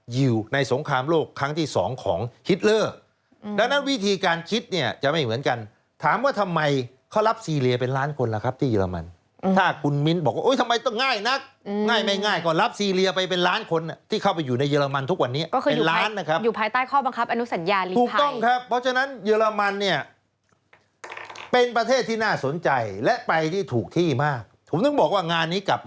อยู่เหมือนกันถามว่าทำไมเขารับซีเรียเป็นล้านคนละครับที่เยอรมันถ้าคุณมิ้นต์บอกว่าทำไมต้องง่ายนักง่ายไม่ง่ายก็รับซีเรียไปเป็นล้านคนที่เข้าไปอยู่ในเยอรมันทุกวันนี้เป็นล้านนะครับอยู่ภายใต้ข้อบังคับอนุสัญญาภัยถูกต้องครับเพราะฉะนั้นเยอรมันเนี่ยเป็นประเทศที่น่าสนใจและไปที่ถูกที่มาก